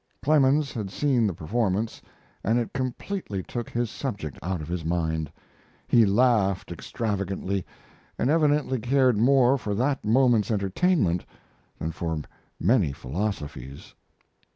Clemens had seen the performance, and it completely took his subject out of his mind. He laughed extravagantly, and evidently cared more for that moment's entertainment than for many philosophies.